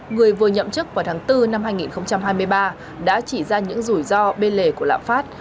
người vừa nhậm chức vào tháng bốn năm hai nghìn hai mươi ba đã chỉ ra những rủi ro bên lề của lãm phát